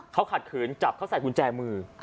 เขาขัดขืนจับเขาใส่กุญแจมือ